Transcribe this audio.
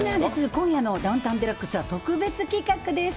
今夜のダウンタウンＤＸは特別企画です。